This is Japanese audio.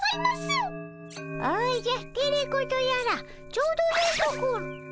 おじゃテレ子とやらちょうどよいところ。